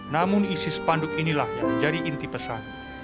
namun isi spanduk inilah yang menjadi inti pesan